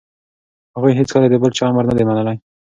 هغوی هیڅکله د بل چا امر نه دی منلی.